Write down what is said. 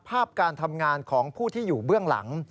การทำงานของผู้ที่อยู่เบื้องหลัง